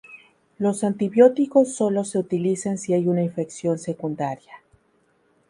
Los antibióticos sólo se utilizan si hay una infección secundaria.